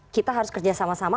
kita harus kerjasama sama sama